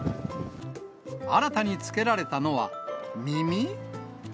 新たにつけられたのは、耳？